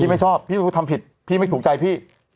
พี่ไม่ชอบพี่ไม่ถูกใจพี่